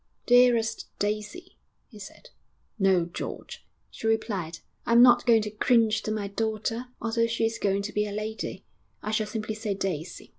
'Dearest Daisy!' he said. 'No, George,' she replied, 'I'm not going to cringe to my daughter, although she is going to be a lady; I shall simply say, "Daisy."'